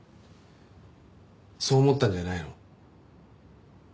そう思ったんじゃないの？